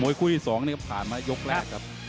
มวยคู่ที่๒ผ่านมายกแรกครับ